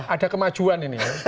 ada kemajuan ini